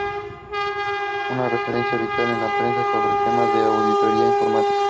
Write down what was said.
Es una referencia habitual en la prensa sobre temas de auditoría informática.